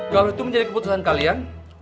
kalau itu menjadi keputusan kalian